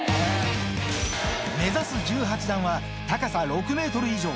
目指す１８段は、高さ６メートル以上。